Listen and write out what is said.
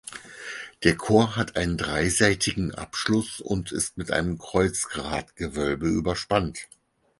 Der Chor hat einen dreiseitigen Abschluss und ist mit einem Kreuzgratgewölbe überspannt.